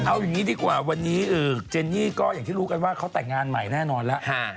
เอาอย่างนี้ดีกว่าวันนี้เจนนี่ก็อย่างที่รู้กันว่าเขาแต่งงานใหม่แน่นอนแล้ว